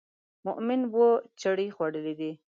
مومن اووه چړې خوړلې دي.